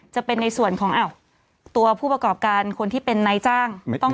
จะเป็นในส่วนของตัวผู้ประกอบการคนที่เป็นนายจ้าง